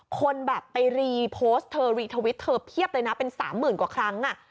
คนแบบไปรีโพสต์เธอรีทวิตเธอเพียบเลยนะเป็นสามหมื่นกว่าครั้ง